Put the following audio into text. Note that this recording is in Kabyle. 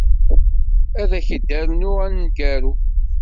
Ad ak-d-rnuɣ aneggaru.